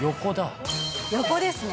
横ですね。